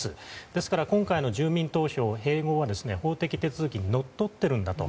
ですから今回の住民投票併合は法的手続きにのっとっていると。